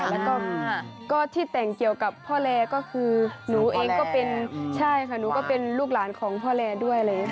แล้วก็ที่แต่งเกี่ยวกับพ่อแรกก็คือหนูเองก็เป็นลูกหลานของพ่อแรกด้วย